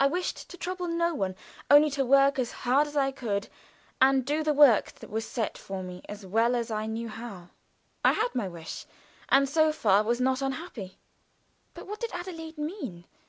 I wished to trouble no one only to work as hard as I could, and do the work that was set for me as well as I knew how. I had my wish and so far was not unhappy. But what did Adelaide mean?